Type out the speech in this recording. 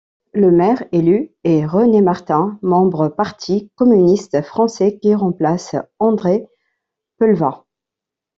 Le maire élu est René Martin, membre Parti communiste français qui remplace André Peulvast.